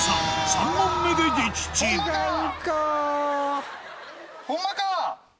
３問目で撃沈ホンマか！